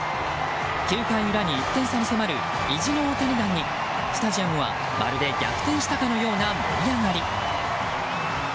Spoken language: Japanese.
９回裏に１点差に迫る意地の大谷弾にスタジアムは、まるで逆転したかのような盛り上がり。